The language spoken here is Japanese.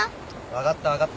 分かった分かった。